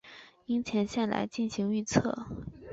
樱前线来进行预测。